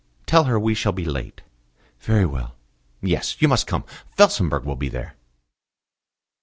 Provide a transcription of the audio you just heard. Tell her we shall be late." "Very well." "... Yes, you must come. Felsenburgh will be there."